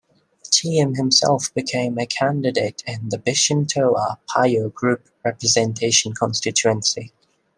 Chiam himself became a candidate in the Bishan-Toa Payoh Group Representation Constituency.